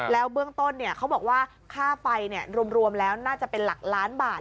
แล้วเบื้องต้นเขาบอกว่าค่าไฟรวมแล้วน่าจะเป็นหลักล้านบาท